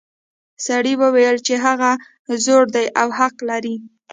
سړي وویل چې هغه زوړ دی او حق لري.